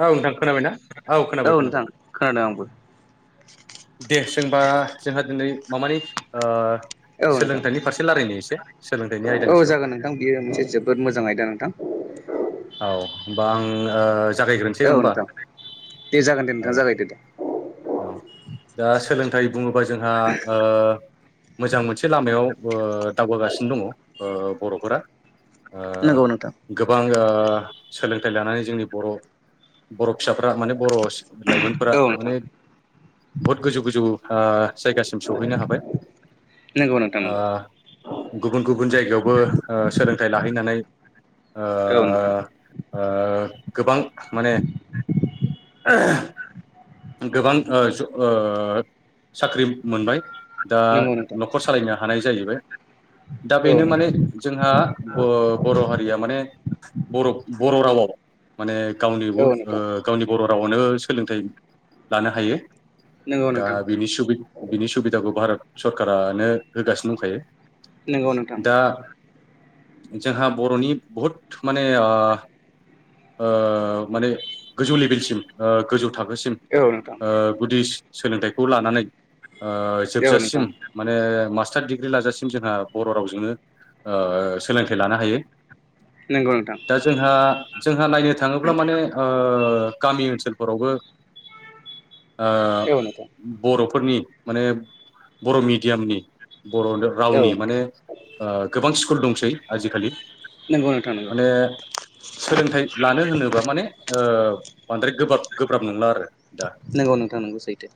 औ नोंथां खोनाबायना औ खोनाबाय नोंथां खोनाबाय खोनादों आंबो दे जोंबा जोंहा दिनै मामानि ओ औ नोंथां सोलोंथाइनि फारसे लारायनो एसे सोलोंथाइनि औ आयदानि सायाव जागोन नोंथां बियो मोनसे जोबोद मोजां आयदा नोंथां औ होमबा आं ओ जागायग्रोनोसै औ नङा होमबा नोंथां दे जागोन दे औ नोंथां जागायदो दे औ दा सोलोंथाइ बुङोबा जोंहा ओ मोजां मोनसे लामायाव ओ दावगा गासिनो दङ बर'फोरा। ओ नंगौ नोंथां गोबां ओ सोलोंथाइ लानानै जोंनि बर' बर' फिसाफ्रा माने बर' लाइमोनफोरा औ नोंथां माने बुहुत गोजौ गोजौ ओ जायगासिम सौहैनो हाबाय नोंगौ नोंगौ ओ गुबुन गुबुन जायगायावबो ओ सोलोंथाइ लाहैनानै औ नोंथां ओ गोबां माने गोबां ओ जु ओ साख्रि मोनबाय। दा नंगौ नोंथां न'खर सालायनो हानाय जाहैबाय। दा औ बेनो नोंथां माने जोंहा ब-बर' हारिया माने बर' बर' रावआव माने औ गावनिबो नोंथां गावनि बर' रावनो सोलोंथाइ लानो हायो नंगौ दा नोंथां बेनि सुबि बिनि सुबिदाखौ भारत सरकारानो होगासिनो दंखायो। नंगौ नोंथां। दा जोंहा बर'नि बहुद माने ओ ओ माने गोजौ लेभेलसिम गोजौ थाखोसिम ओ औ नोंथां औ नोंथां गुदि सो सोलोंथाइखौ लानानै ओ जोबजासिम माने मास स्टार दिडिग्रि लाजासिम जोंहा बर' रावजोंनो ओ सोलोंथाइ लानो हायो। नंगौ नोंथां दा जोंहा जोंहा नायनो थाङोब्ला माने ओ गामि ओनसोलफोरावबो ओ औ नोंथां औ नोंथां बर'फोरनि माने बर' मिडियामनि बर' रावनि माने ओ गोबां स्कुल दंसै आजिखालि। नंगौ नोंथां नंगौ माने सोलोंथाइ लानो होनोबा माने ओ बांद्राय गोब्राब नंला आरो। दा नंगौ नोंथां नंगौ सैथो।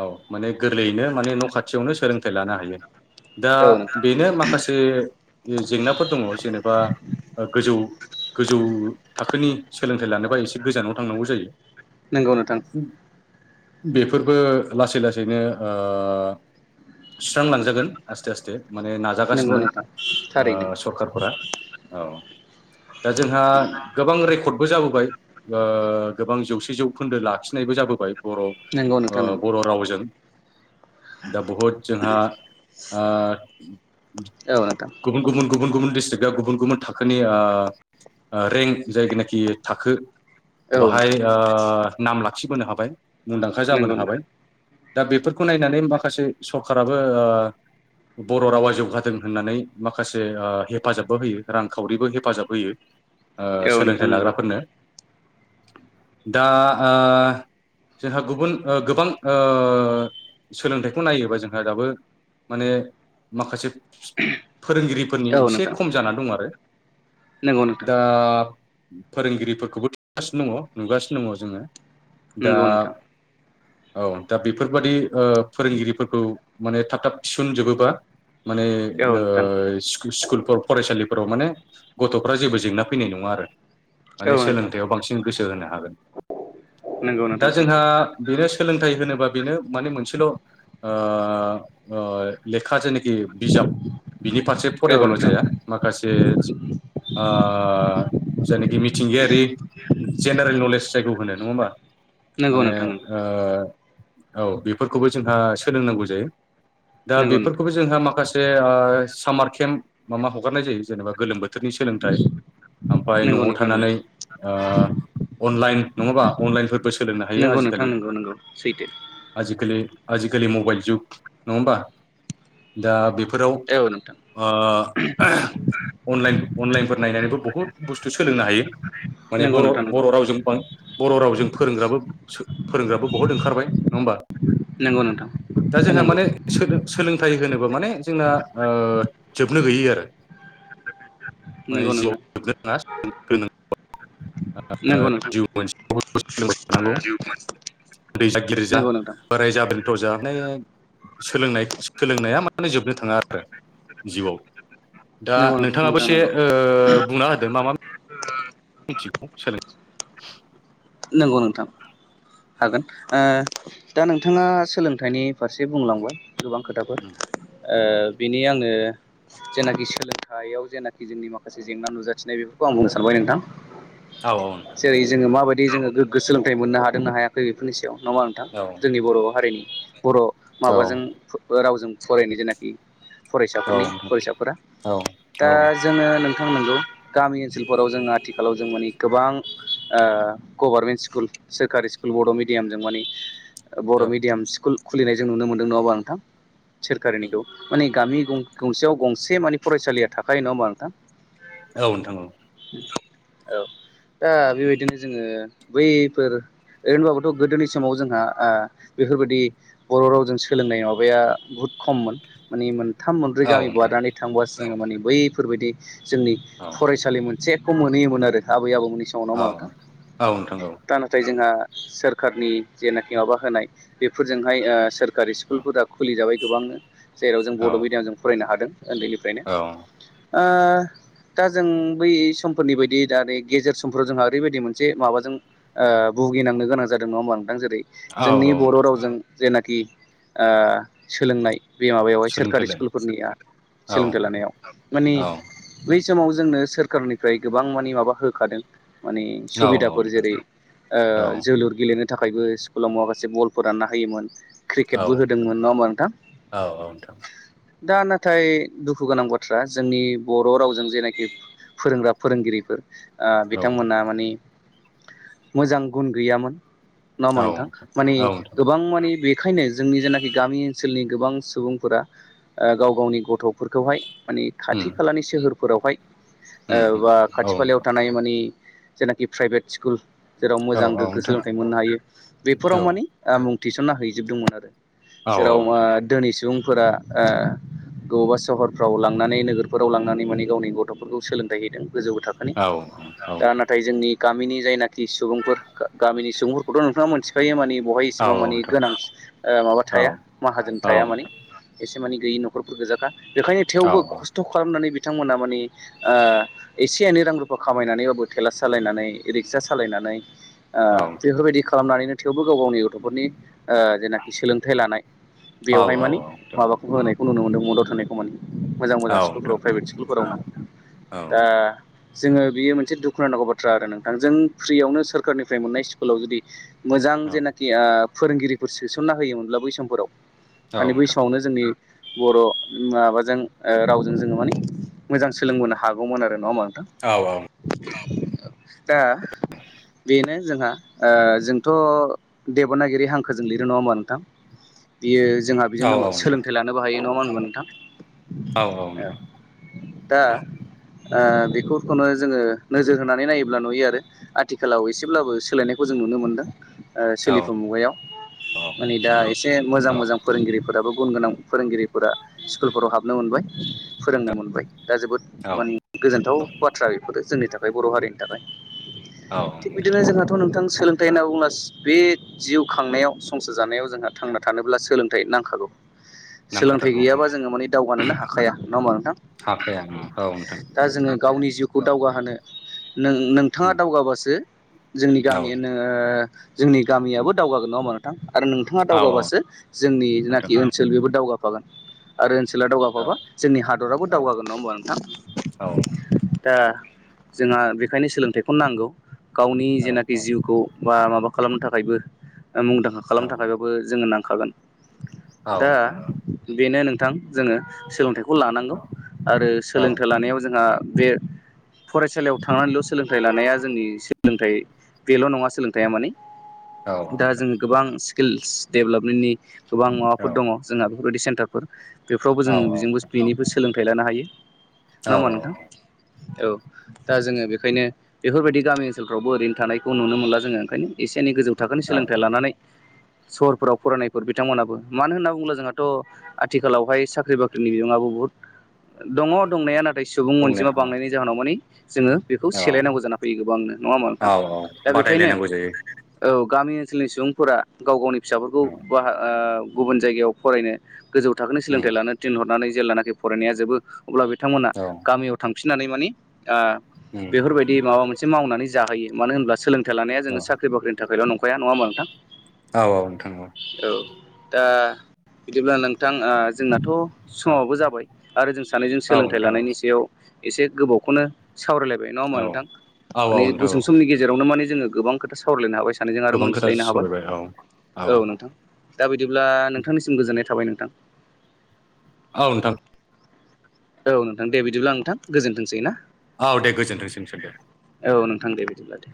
औ माने गोरलैयैनो माने न' खाथियावनो सोलोंथाइ लानो हायो दा औ नोंथां बेनो माखा से जेंनाफोर दङ जेनेबा गोजौ गोजौ थाखोनि सोलोंथाइ लानोबा एसे गोजानाव थांनांगौ जायो। नोंगौ नोंथां। बेफोरबो लासै लासैनो ओ सुस्रांलांजागोन आस्थे आस्थे माने नंगौ नाजागासिनो नोंथां दं थारैनो ओ सरखारफोरा औ दा जोंहा गोबां रेकर्डबो जाबोबाय गोबां जौसे जौ खोन्दो लाखिनायबो जाबोबाय बर' ओ नंगौ नोंथां नंगौ बर' रावजों दा बहुद जोंहा ओ औ नोंथां गुबुन गुबुन गुबुन गुबुन डिस्ट्रिक्टआ गुबुन गुबुन थाखोनि आ रेंक जायनाखि थाखो औ बाहाय नोंथां नाम लाखिबोनो हाबाय मुंदांखा जाबोनो नंगौ हाबाय। नोंथां दा बेफोरखौ नायनानै माखासे सरखाराबो ओ बर' रावा जौगादों होननानै माखासे हेफाजाबबो होयो रांखावरिबो हेफाजाब होयो। ओ औ सोलोंथाइ नोंथां नंगौ लाग्राफोरनो दा ओ जोंहा गुबुन ओ गोबां ओ सोलोंथाइखौ नायोबा जोंहा दाबो माने माखासे फोरोंगिरिफोरनि औ एसे नोंथां खम जाना दं आरो नंगौ नोंथां दा फोरोंगिरिफोरखौबो बुथुमगासिनो दङ नुगासिनो दङ जोङो दा नंगौ नोंथां औ दा बेफोरबादि ओ फोरोंगिरिफोरखौ माने थाब थाब थिसनजोबोबा माने औ नोंथां ओ स्कुलफोर फरायसालिफोराव माने गथ'फ्रा जेबो जेंना फैनाय नङा। आरो औ माने नोंथां सोलोंथाइयाव बांसिन गोसो होनो हागोन। नंगौ दा नोंथां सैथो जोंहा बेनो सोलोंथाइ होनोबा बेनो माने मोनसेल' ओ ओ लेखा जेनाखि बिजाब बिनि फारसे औ फरायबाल' नोंथां जाया माखासे जि आं जायनाखि मिथिंगायारि जेनेरेल नलेज जायखौ होनो नङा ओमबा नंगौ माने नोंथां नंगौ ओ औ बेफोरखौबो जोंहा सोलोंनांगौ जायो दा नंगौ नोंथां बेफोरखौबो जोंहा माखासे से सामार केम्प माबा हगारनाय जायो जेनेबा गोलोम बोथोरनि सोलोंथाइ आमफाय नंगौ न'आव नोंथां थानानै ओ अनलाइन नङाबा अनलाइनफोर बो सोलोंनो नंगौ हायो नोंथां आजिखालि नंगौ नंगौ सैथो आजिखालि आजिखालि मबाइल जुग नङा होमबा दा बे फोराव औ नोंथां ओ अनलाइन अनलाइनफोर नायनानैबो बुहुत बुस्थु सोलोंनो हायो। माने नंगौ बर' नोंथां बर' रावजों बर' रावजों फोरोंग्राबो फोरोंग्राबो बहुद ओंखारबाय नङा ओमबा? नंगौ नंगौ नोंथां दा जोंहा नंगौ माने सोलों थाय होनोबो माने जोंना जोबनो गैयै आरो। नंगौ माने नोंथां [unintelligible] नोंगौ नोंथां। जिउ [unintelligible] उन्दैजा गिदिरजा नंगौ नोंथां बोरायजा बेन्थ'जानो सोलोंनाय सोलोंनाया माने जोबनो थाङा आरो जिउआव दा नोंथाङाबो से नंगौ ओ बुंना होदों मा मा मिथिगौ [unintelligible] नंगौ नोंथां हागोन ओ दा नोंथाङा सोलोंथाइनि फारसे बुंलांबाय। गोबां खोथाफोर ओ बिनि आङो जेनाखि सोलोंथायाइयाव जेनाखि जोंनि माखासे जेंना नुजाथिनाय बेफोरखौ आं बुंनो सानबाय नोंथां। औ औ नोंथां जेरै जोङो माबायदि जोङो गोग्गो सोलोंथाइ मोननो हादों ना हायाखै बेफोरनि सायाव नङा नोंथां जोंनि बर' हारिनि बर' औ औ माबाजों रावजों फरायनाय जेनाखि औ फरायसाफोरनि औ फरायसाफोरा औ दा जोङो नोंथां नंगौ। गामि ओनसोलफोराव जोंङो आथिखालाव जों माने गोबां गभारनमेन्ट स्कुल सोरखारि स्कुल बर' मिडियामजों माने बर' औ मिडियाम स्कुल खुलिनाय जों नुनो मोन्दों नङाबा नोंथां सोरखारिनिखौ माने गामि गंसेयाव गंसे माने फरायसालिया थाखायो नङा होमबा नोंथां। औ नोंथां औ। औ दा बेबायदिनो जोङो बैफोर ओरैनोबाबोथ' गोदोनि समाव जोंहा ओ बेफोरबायदि बर' रावजों सोलोंनाय माबाया बुहुत खममोन माने मोनथाम मोनब्रै औ गामि नोंथां बारनानै थांबब्लासो जोंङो माने बैफोरबायदि जोंनि औ फरायसालि मोनसेखौ मोनहैयोमोन आरो आबै आबौमोननि समाव नंङा औ होमबा नोंथां। औ नोंथां औ दा नाथाय जोंहा सोरखारनि जेनाखि माबा होनाय बेफोरजोंहाय ओ सोरखारि स्कुलफोरा खुलिजाबाय गोबांनो जेराव जों बड' मिडियाम जों फरायनो हादों। उन्दैनिफ्रायनो औ ओ दा जों बै समफोरनि बायदि दा नै गेजेर समफ्राव जोंहा ओरैबायदि मोनसे माबाजों ओ भुगिनांनो गोनां जादों नङा होमबा नोंथां जेरै औ जोंनि औ बर' रावजों जेनाखि ओ सोलोंनाय बे माबायावहाय सोरखारि सोलोंथाइलाय स्कुलफोरनिया औ सोलोंथाइ लानायाव माने औ बै समाव जोंनो सोरखारनिफ्राय गोबां माने माबा होखादों माने औ सुबिदाफोर नोंथां जेरै ओ औ जोलुर गेलेनो थाखायबो स्कुलाव माखासे बलफोर रानना होयोमोन। औ क्रिकेटबो होदोंमोन नंङा होमबा औ नोंथां। दा नाथाय दुखु गोनां बाथ्रा जोंनि बर' रावजों जेनाखि फोरोंग्रा फोरोंगिरिफोर ओ औ बिथांमोनहा माने मोजां गुन गैयामोन नङा होमबा औ नोंथां माने औ नोंथां गोबां माने बे बेखायनो जोंनि जेनाखि गामि ओनसोलनि गोबां सुबुंफोरा ओ गाव गावनि गथ'फोरखौहाय माने उम खाथि खालानि सोहोरफोरावहाय उम ओ उम बा औ खाथि खालायाव नोंथां थानाय माने जेखि प्राइभेट स्कुल जेराव औ मोजां औ गोग्गो नोंथां सोलोंथाइ मोननो हायो बेफोराव औ माने मुं थिसनना हैजोबदोंमोन आरो। औ जेराव ओ नोंथां धोनि सुबुंफोरा ओ न बबेबा सहरफ्राव लांनानै नोगोरफोराव लांनानै माने गावनि गथ'फोरखौ सोलोंथाइ हैदों। गोजौ थाखोनि औ औ दा नोंथां नाथाय जोंनि गामिनि जायना खि सुबुंफोर गामिनि सुबुंफोरखौथ' नोंथाङा मोनथिखायो माने बे बहाय औ इसेबां औ नोंथां औ नोंथां औ नोंथां औ नोंथां औ नोंथां औ नोंथां औ नोंथां औ माने गोनां ओ माबा थाया माहाजोन थाया माने गैयि न'खरफोर गोजाखा बेखायनो थेवबो खस्थ' खालामनानै नोंथांमोना माने ओ एसे एनै रां रुफा खामायनानैबाबो थेला सालायनानै रिकसा सालायनानै ओ बेफोरबायदि खालामनानैनो थेवबो गाव गावनि गथ'फोरनि ओ जेनाखि सोलोंथाइ लानाय बेवहाय माने माबाखौ होनायखौ नुनो मोनदों मदद होनायखौ माने। मोजां मोजां सकुलाव प्राइभे स्कुलफोराव औ। दा जोङो बियो मोनसे दुखुनां नांगौ बाथ्रा आरो नोंथां जों फ्रियावनो सोरखारनिफ्राय मोननाय स्कुलाव जुदि मोजां जेनाखि ओ फोरोंगिरिफोर सोसनना होयोमोनब्ला बै समफोराव माने बैसमावनो जोंनि बर' माबाजों ओ रावजों जोङो माने मोजां सोलोंबोनो हागौमोन आरो नङा होमबा। नोंथां औ -औ। दा बेनो जोंहा ओ जोंथ' देब'नागिरि हांखोजों लिरो नङा होमा नोंथां? [inaudible] बियो जोंहा बिजोंनो सोलोंथाइ लानोबो हायो नङा मा होनगोन नोंथां। औ - औ। दा ओ बेफोरखौनो जोङो नोजोर होनानै नायोब्ला नुयो आरो आ आथिखालाव एसेब्लाबो सोलायनायखौ जों नुनो मोनदों। ओ सोलिफु मुगायाव माने दा एसे मोजां मोजां फोरोंगिरिफोराबो गुन गोनां फोरोंगिरिफोरा स्कुलफोराव हाब हाबनो मोनबाय फोरोंनो मोनबाय दा जोबोद औ औ माने गोजोनथाव बाथ्रा बेफोर जोंनि थाखाय बर' हारिनि थाखाय औ थिग नोंथां बिदिनो जोंहाथ' नोंथां सोलोंथाइ होनना बुंङोब्ला बे जिउ खांनायाव संसार जानायाव जोंहा थांना थानोब्ला सोलोंथाइ नांखागौ। [inaudible] सोलोंथाइ औ गैयाबा जोङो माने दावगानोनो हाखाया नङा होमबा नोंथां हाखाया औ नोंथां दा जोङो। गावनि जिउखौ दावगाहोनो नों नोंथाङा दावगाबासो जोंनि औ गामियानो जोंनि गामियाबो दावगागोन नङा होमा नोंथां? आरो नोंथाङा औ दावगाबासो जोंनि नोंथां जेनाखि ओनसोल बेबो दावगाफागोन आरो ओन ला औ दावगाफाबा जोंनि हादराबो दावगागोन नङा होनबा औ नोंथां दा। जोंहा बेखायनो सोलोंथाइखौ नांगौ गावनि औ जेनाखि जिउखौ बा माबाखौ खालामनो थाखायबो मुंदांखा औ खालामनो नोंथां औ थाखायबाबो जोङो नांखागोन। औ दा औ नोंथां बेनो नोंथां जोङो सोलोंथाइखौ खौ लानांगौ औ आरो औ सोलोंथाइ नोंथां लानायाव जोंहा बे फरायसालियाव थांनानैल' सोलोंथ थाय लानाया जोंनि सोलोंथाइ बेल' नङा सोलोंथाइया माने औ दा जोङो गोबां स्किल्स डेभेलपमेन्टनि गोबां माबाफोर दङ जोंहा। बेफोरबायदि सेन्टारफोर बेफ्रावबो जोङो बेजोंबो बेनिबो सोलोंथाइ लानो हायो। नङा औ होमबा औ नोंथां औ दा जोङो बेखायनो बेफोरबायदि गामि ओनसोलफ्रावबो ओरैनो थानायखौुनो मोनला जो ओंखायनो एसे एनै गोजौ थाखोनि औ सोलोंथाइ लानानै सहरफोराव फरायनायफोर बिथांमोनाबो मानो होन्ना बुङोला जोंहाथ' आथिखालावहाय साख्रि बाख्रिनि बिबङाब ब दङ दंनाया नाथाय सुबुं बुंनो अनजिमा औ बांनायनि जाहोनाव माने जोङो। औ सोलायनांगौ जाना फैयो गोबांनो नङा होमा औ नोंथां औ दा बेखायनो बादायलायनांगौ जायो औ। गामि ओनसोलनि सुबुंफोरा गाव गावनि फिसाफोरखौ औ ब गुबुन जायगायाव फरायनो गोजौ थाखोनि उम सोलोंथाइ लानो थिन हरनानै जेलब्लानाखि फरायनाया जोबो अब्ला बिथांमोना औ गामियाव थां फिनानै माने उम बेफोरबायदि माबा मोनसे मावनानै जाहोयो मानो होनोबब्ला सोलोंथाइ लानाया औ जोङो साख्रि बाख्रिनि थाखायल' नं गाया नंङा होमबा नोंथां? औ औ नोंथां नंगौ औ दा बिदिब्ला नोंथां ओ जोंनाथ' औ समावावबो जाबाय आरो जों सानैजों सोलोंथाइ लानायनि सायाव एसे गोबावखौनो सावरायलायबाय नङा होमा नोंथां औ औ माने नोंथां औ गुसुं समनि गेजेरावनो माने। जोङो गोबां खोथा सावरायलायनो हाबाय सानैजों आरो गोबां खोथा मोनथिलायनो हाबाय सावरायबाय औ औ नोंथां। दा बिदिब्ला नोंथांनिसिम गोजोननाय थाबाय नोंथां। औ नोंथां औ नोंथां दे बिदिब्ला आ नोंथां गोजोन्थोंसै ना। औ दे गोजोन्थोंसोंसै दे ओंदो बिदिब्लादे